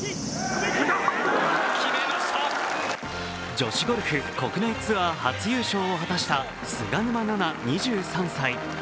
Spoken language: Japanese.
女子ゴルフ国内ツアー初優勝を果たした菅沼菜々２３歳。